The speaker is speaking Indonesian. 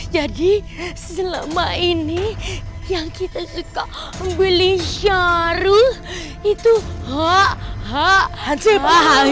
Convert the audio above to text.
jadi selama ini yang kita suka beli sarung itu hancib